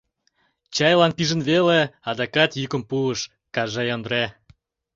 — Чайлан пижын веле, — адакат йӱкым пуыш Кажай Ондре.